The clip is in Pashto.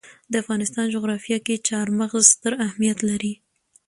د افغانستان جغرافیه کې چار مغز ستر اهمیت لري.